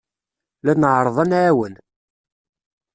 La nɛerreḍ ad nɛawen.